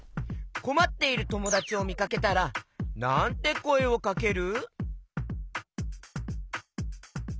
こまっているともだちをみかけたらなんてこえをかける？